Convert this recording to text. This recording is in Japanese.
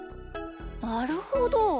なるほど。